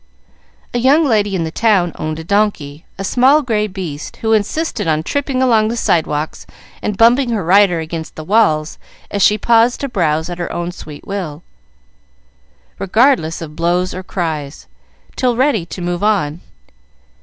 A young lady in the town owned a donkey, a small, gray beast, who insisted on tripping along the sidewalks and bumping her rider against the walls as she paused to browse at her own sweet will, regardless of blows or cries, till ready to move on.